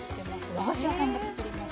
和菓子屋さんが作りました。